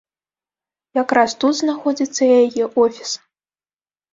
Якраз тут знаходзіцца яе офіс.